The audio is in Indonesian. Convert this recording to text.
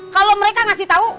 kalau mereka ngasih tau